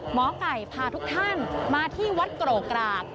หมอไก่พาทุกท่านมาที่วัดโกรกราก